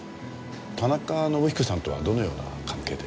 田中伸彦さんとはどのような関係で？